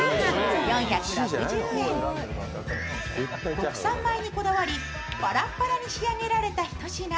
国産米にこだわりパラパラに仕上げられた一品。